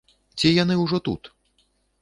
Ці яны ўжо тут?